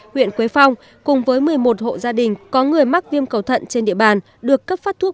huyện quế phong cùng với một mươi một hộ gia đình có người mắc viêm cầu thận trên địa bàn được cấp phát thuốc